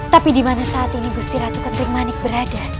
tapi di mana saat ini gusti ratu ketrik manik berada